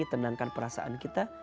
dan diberikan perasaan kita